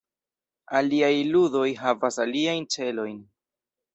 Aliaj ludoj havas aliajn celojn.